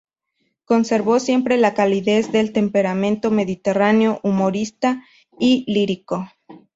Conservó siempre la calidez del temperamento mediterráneo, humorista y lírico.